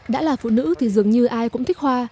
đã là phụ nữ thì dường như ai cũng thích hoa